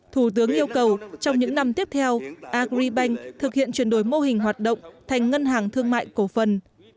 thủ tướng yêu cầu trong những năm tiếp theo agribank thực hiện chuyển đổi mô hình hoạt động thành ngân hàng thương mại cổ phần